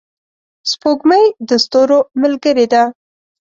سپوږمۍ د ستورو ملګرې ده.